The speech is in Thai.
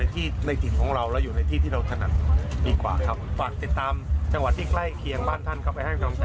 พี่จะโชว์รอบนี้หน่อยครับ